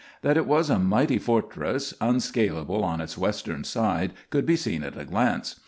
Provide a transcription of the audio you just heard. That it was a mighty fortress, unscalable on its western side, could be seen at a glance.